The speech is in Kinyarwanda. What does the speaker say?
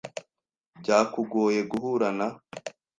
Byakugoye guhura na ?